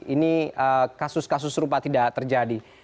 ini kasus kasus serupa tidak terjadi